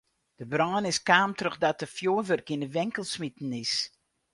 De brân is kaam trochdat der fjurwurk yn de winkel smiten is.